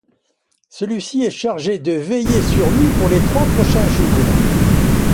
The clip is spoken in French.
Celle-ci est chargée de veiller sur lui pour les trois prochains jours.